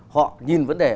họ nhìn vấn đề